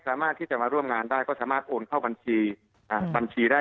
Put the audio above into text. สามารถที่จะมาร่วมงานได้ก็สามารถโอนเข้าบัญชีบัญชีได้